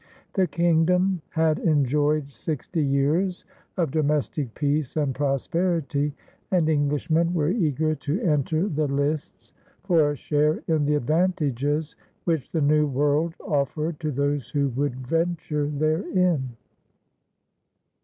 The Kingdom had enjoyed sixty years of domestic peace and prosperity, and Englishmen were eager to enter the lists for a share in the advantages which the New World offered to those who would venture therein.